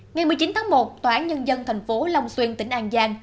ngày một mươi chín tháng một tòa án nhân dân thành phố long xuyên tỉnh an giang